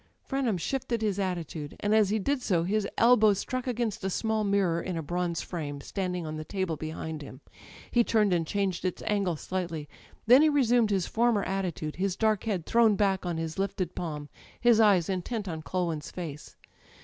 Frenham shifted his attitude, and as he did so his elbow struck against a small mirror in a bronze frame standing on the table behind him. He turned and changed its angle slightly; then he resumed his former attitude, his dark head thrown back on his lifted palm, his eyes intent on Culwin's face.